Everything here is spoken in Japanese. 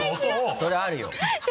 それあるよ！